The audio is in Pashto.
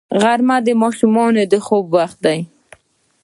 غرمه د ماشومانو د خوب وخت دی